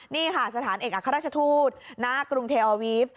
นี่ค่ะสถานเอกอัครราชทูตณกรุงเทอวีฟ